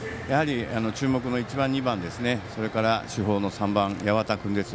注目の１番、２番それから主砲の３番、八幡君です。